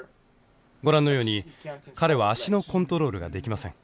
ご覧のように彼は足のコントロールができません。